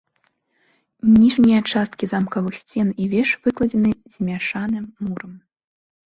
Ніжнія часткі замкавых сцен і веж выкладзены змяшаным мурам.